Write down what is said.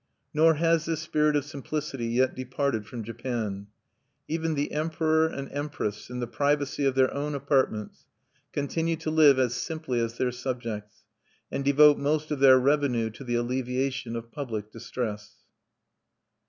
Nor has this spirit of simplicity yet departed from Japan. Even the Emperor and Empress, in the privacy of their own apartments, continue to live as simply as their subjects, and devote most of their revenue to the alleviation of public distress.